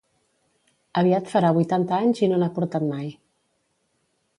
Aviat farà vuitanta anys i no n'ha portat mai.